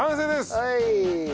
はい！